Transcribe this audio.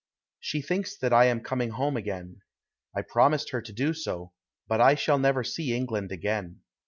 She thinks that I am coming home again. I promised her to do so, but I shall never see England again.